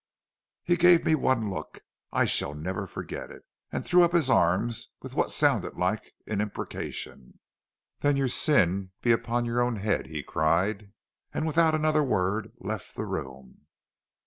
"He gave me one look I shall never forget it, and threw up his arms with what sounded like an imprecation. "'Then your sin be upon your own head!' he cried, and without another word left the room.